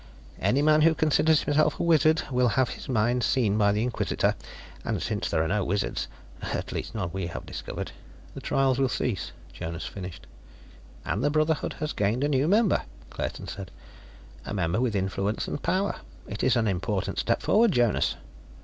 "Any man who considers himself a wizard will have his mind seen by the Inquisitor. And since there are no wizards at least, none we have discovered " "The trials will cease," Jonas finished. "And the Brotherhood has gained a new member," Claerten said. "A member with influence and power. It is an important step forward, Jonas."